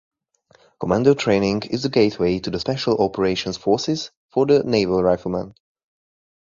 Commando training is the gateway to the Special Operations Forces for the Naval Riflemen.